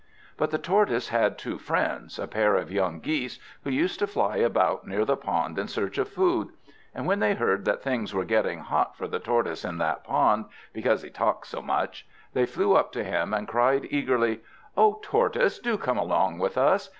But the Tortoise had two friends, a pair of young Geese, who used to fly about near the pond in search of food. And when they heard that things were getting hot for the Tortoise in that pond, because he talked so much, they flew up to him and cried eagerly: "Oh, Tortoise! do come along with us!